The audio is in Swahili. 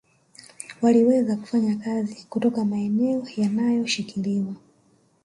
Waliweza kufanya kazi kutoka maeneo yanayoshikiliwa